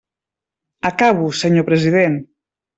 Acabo, senyor president.